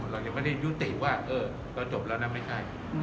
เรายังไม่ได้ยุติว่าเราจบแล้วนะไม่ใช่